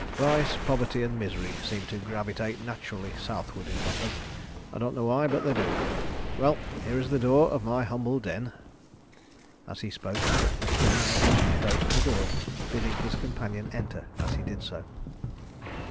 Vice, poverty, and misery seem to gravitate naturally southward in London. I don't know why, but they do. Well, here is the door of my humble den." As he spoke he put the key in the lock, and opened the door, bidding his companion enter as he did so.